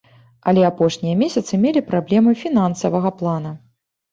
Але апошнія месяцы мелі праблемы фінансавага плана.